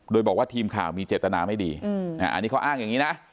โดยบอกว่าทีมข่าวมีเจตนาไม่ดีอันนี้เขาอ้างอย่างนี้นะ